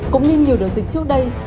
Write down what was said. cũng như nhiều đợt dịch trước đây